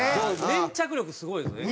粘着力すごいですよね。